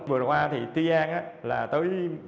vừa qua thì tuy an là tới